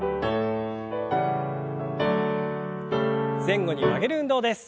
前後に曲げる運動です。